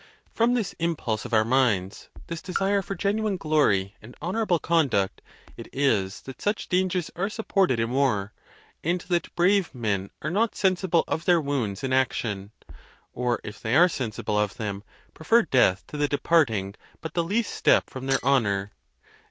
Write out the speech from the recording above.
From this impulse of our minds, this desire for genuine glory and honorable conduct, it is that such dan gers are supported in war, and that brave men are not sensible of their wounds in action, or, if they are sensible of them, prefer death to the departing but the least step 88 THE TUSCULAN DISPUTATIONS. from their honor.